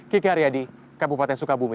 kiki aryadi kabupaten sukabumi